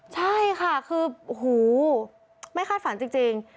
ใช่ค่ะคือหูไม่คาดฝันจริง